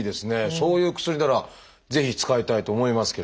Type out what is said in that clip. そういう薬ならぜひ使いたいと思いますけれども。